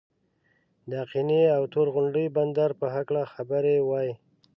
د آقینې او تور غونډۍ بندر په هکله خبرې وای.